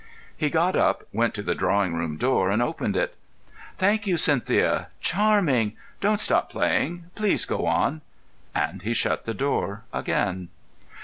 He got up, went to the drawing room door, and opened it. "Thank you, Cynthia. Charming! Don't stop playing. Please go on," and he shut the door again.